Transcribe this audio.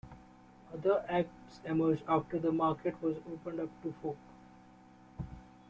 Other acts emerged after the market was opened up to folk.